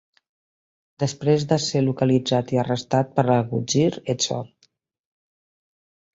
Després de ser localitzat i arrestat per l'algutzir Ed Short.